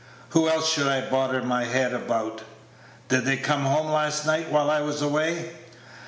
"Who else should I bother my head about? Did they come home last night while I was away?"